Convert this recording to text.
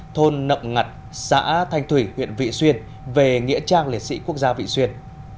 một nghìn năm trăm tám mươi năm thôn nậm ngặt xã thanh thủy huyện vị xuyên về nghĩa trang liệt sĩ quốc gia vị xuyên